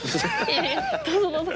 どうぞどうぞって。